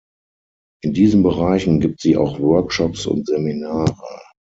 In diesen Bereichen gibt sie auch Workshops und Seminare.